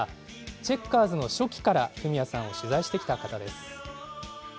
チェッカーズの初期からフミヤさんを取材してきた方です。